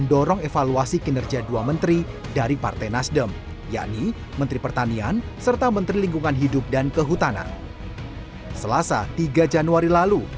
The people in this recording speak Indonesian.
jokowi dodo tidak menampik akan berlaku reshuffle